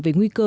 về nguyên liệu